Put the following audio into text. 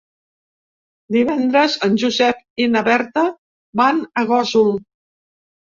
Divendres en Josep i na Berta van a Gósol.